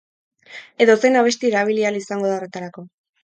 Edozein abesti erabili ahal izango da horretarako.